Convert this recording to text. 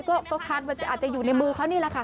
ก็คาดว่าอาจจะอยู่ในมือเขานี่แหละค่ะ